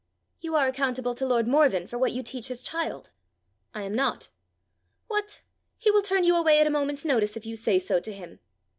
"You are accountable to lord Morven for what you teach his child." "I am not." "What! He will turn you away at a moment's notice if you say so to him."